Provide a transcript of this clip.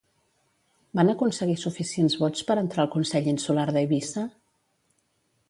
Van aconseguir suficients vots per entrar al Consell Insular d'Eivissa?